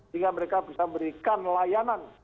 sehingga mereka bisa memberikan layanan